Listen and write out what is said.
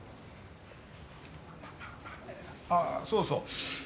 ああそうそう。